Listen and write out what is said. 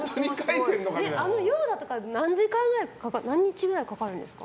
あのヨーダとか何日ぐらいかかるんですか？